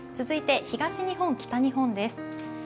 続いて東日本、北日本です。